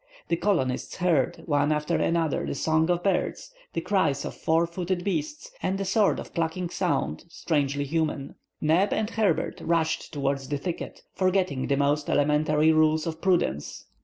The colonists heard, one after another, the song of birds, the cries of four footed beasts, and a sort of clucking sound strangely human. Neb and Herbert rushed towards the thicket, forgetting the most elementary rules of prudence.